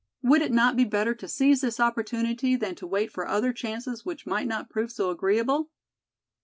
Would it not be better to seize this opportunity than to wait for other chances which might not prove so agreeable?